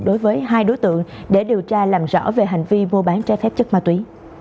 đối với hai đối tượng để điều tra làm rõ về hành vi mua bán trái phép chất ma túy